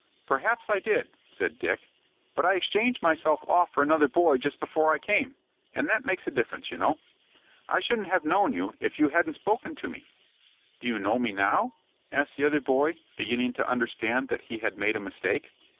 "Perhaps I did," said Dick; "but I exchanged myself off for another boy just before I came, and that makes a difference, you know. I shouldn't have known you, if you hadn't spoken to me." "Do you know me now?" asked the other boy, beginning to understand that he had made a mistake.